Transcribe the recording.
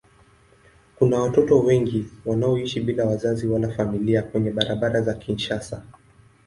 Kuna watoto wengi wanaoishi bila wazazi wala familia kwenye barabara za Kinshasa.